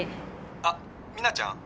「あっミナちゃん？」